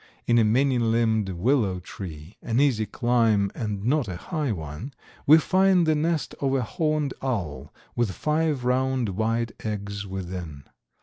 In a many limbed willow tree, an easy climb and not a high one, we find the nest of a horned owl, with five round white eggs within.